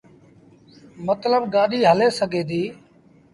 متلب گآڏيٚ هلي سگھي ديٚ۔